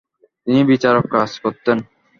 তিনি বিচারিক কাজ করতেন।